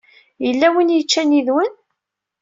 Yella win yeččan yid-wen?